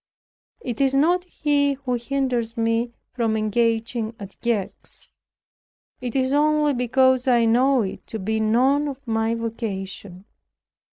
It is not he who hinders me from engaging at Gex. It is only because I know it to be none of my vocation."